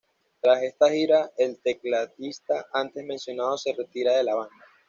Tras esta gira, el tecladista antes mencionado, se retira de la banda.